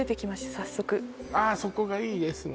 早速ああーそこがいいですね